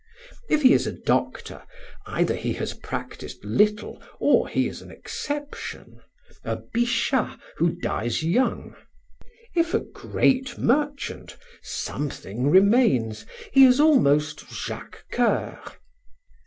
If he is a doctor, either he has practised little or he is an exception a Bichat who dies young. If a great merchant, something remains he is almost Jacques Coeur.